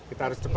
kita harus cepat